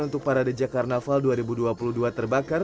untuk parade jarnaval dua ribu dua puluh dua terbakar